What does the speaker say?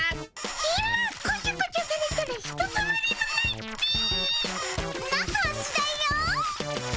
今こちょこちょされたらひとたまりもないっピ。な感じだよ。